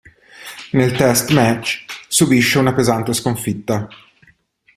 Nel test match subisce una pesante sconfitta.